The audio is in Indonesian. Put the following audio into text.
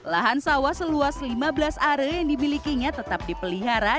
lahan sawah seluas lima belas are yang dimilikinya tetap dipelihara